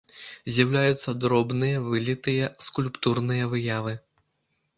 З'яўляюцца дробныя вылітыя скульптурныя выявы.